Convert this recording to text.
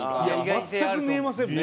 全く見えませんもんね。